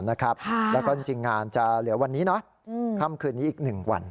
แล้วก็จริงงานจะเหลือวันนี้ค่ำคืนนี้อีก๑วัน